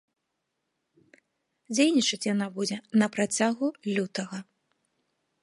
Дзейнічаць яна будзе на працягу лютага.